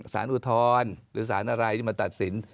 อุทธรณ์หรือสารอะไรที่มาตัดสิน